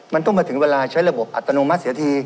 มันต้องมาถึงเวลาใช้ระบบอัตโนมัติเสียที